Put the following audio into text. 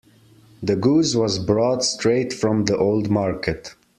The goose was brought straight from the old market.